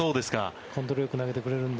コントロールよく投げてくれるので。